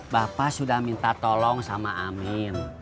bapak sudah minta tolong sama amin